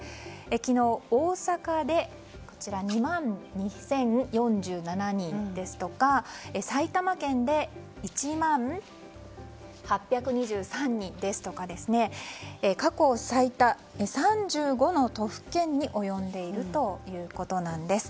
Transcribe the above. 昨日、大阪で２万２０４７人ですとか埼玉県で１万８２３人ですとか過去最多、３５の都府県に及んでいるということです。